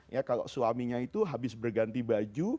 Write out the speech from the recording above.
ya kalau suaminya itu habis berganti baju